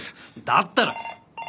だったら。